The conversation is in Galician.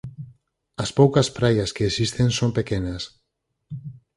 As poucas praias que existen son pequenas.